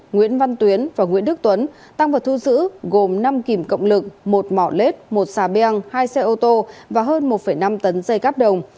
nguyễn văn tuyến và nguyễn đức tuấn tăng vật thu giữ gồm năm kìm cộng lực một mỏ lết một xà beng hai xe ô tô và hơn một năm tấn dây cáp đồng